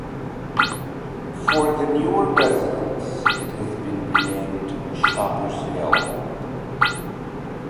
For the newer residents, it has been renamed Shoppers' Hill.